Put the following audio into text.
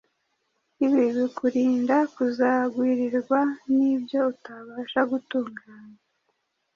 Ibi bikurinda kuzagwirirwa n’ibyo utabasha gutunganya,